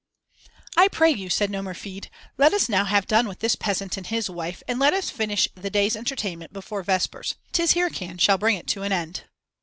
"I pray you," said Nomerfide, "let us now have done with this peasant and his wife, and let us finish the day's entertainment before vespers. 'Tis Hircan shall bring it to an end."